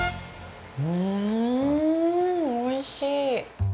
うん、おいしい！